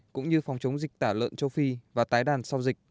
cũng như phòng chống dịch tả lợn châu phi và tái đàn sau dịch